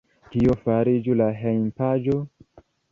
Kio fariĝu la hejmpaĝo?